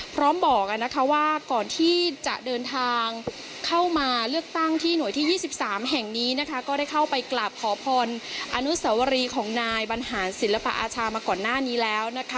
พร้อมบอกว่าก่อนที่จะเดินทางเข้ามาเลือกตั้งที่หน่วยที่๒๓แห่งนี้นะคะก็ได้เข้าไปกราบขอพรอนุสวรีของนายบรรหารศิลปอาชามาก่อนหน้านี้แล้วนะคะ